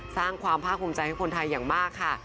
สร้างความภาคภูมิใจให้คนไทยอย่างมากค่ะ